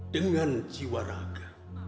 dengan jiwa raga